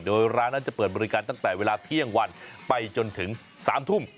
โดยร้านนั้นจะเปิดบริการตั้งแต่เวลาเที่ยงวันไปจนถึง๓ทุ่ม